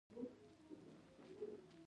روا هوسونه انسان نه ناکام کوي.